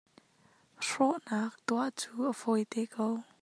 Hrawhnak tuah cu a fawi te ko.